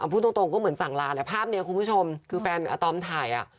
พูดตรงก็เหมือนสั่งลาแหละภาพนี้คุณผู้ชมคือแฟนอาตอมถ่ายอ่ะ